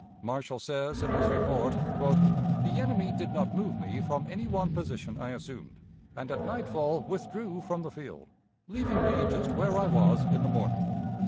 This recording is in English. Marshall says in his report: "The enemy did not move me from any one position I assumed, and at nightfall withdrew from the field, leaving me just where I was in the morning.